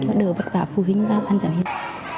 để đỡ vất vả phụ huynh và ban giáo viên